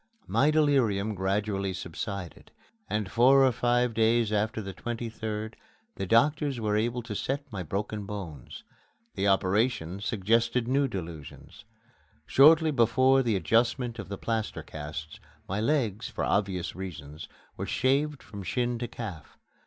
My delirium gradually subsided, and four or five days after the 23d the doctors were able to set my broken bones. The operation suggested new delusions. Shortly before the adjustment of the plaster casts, my legs, for obvious reasons, were shaved from shin to calf.